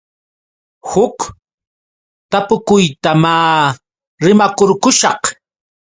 Huk tapukuyta maa rimakurqushaq.